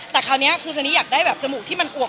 แต่คราวนี้คือซานี่อยากได้แบบจมูกที่มันอวก